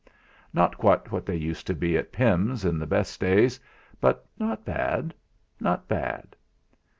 Not quite what they used to be at Pimm's in the best days, but not bad not bad!